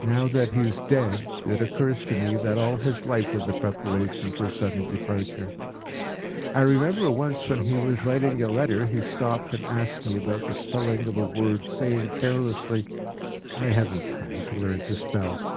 Now that he is dead it occurs to me that all his life was a preparation for sudden departure. I remember once when he was writing a letter he stopped and asked me about the spelling of a word, saying carelessly, “I haven’t time to learn to spell.